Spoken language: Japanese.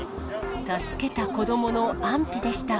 助けた子どもの安否でした。